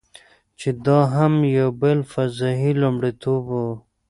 چې دا هم یو بل فضايي لومړیتوب و.